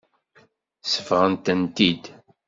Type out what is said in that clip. Sebɣent-tent-id.